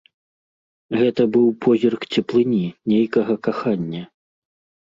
Гэта быў позірк цеплыні, нейкага кахання.